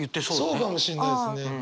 そうかもしんないですね。